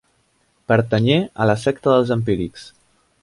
Pertanyé a la secta dels empírics.